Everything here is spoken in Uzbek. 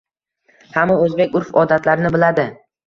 Hamma o'zbek urf -odatlarini biladi